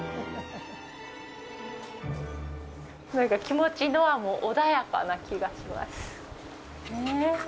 気持ち、ノアも穏やかな気がします。